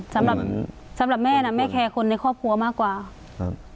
สำหรับสำหรับแม่น่ะแม่แคร์คนในครอบครัวมากกว่าครับ